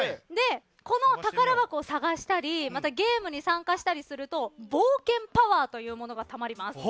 この宝箱を探したりゲームに参加したりすると冒険パワーというものがたまります。